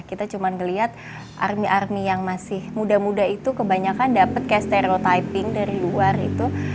kita cuma melihat army army yang masih muda muda itu kebanyakan dapet kayak stereotyping dari luar itu